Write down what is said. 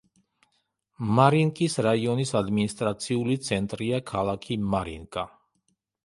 მარინკის რაიონის ადმინისტრაციული ცენტრია ქალაქი მარინკა.